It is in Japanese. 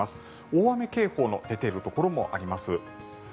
大雨警報の出ているところもあります。